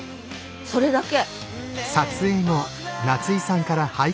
それだけ。